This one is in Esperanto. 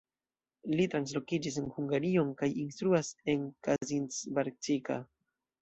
Li translokiĝis en Hungarion kaj instruas en Kazincbarcika.